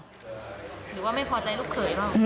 หรือว่าไม่พอใจลูกเผยเหรอ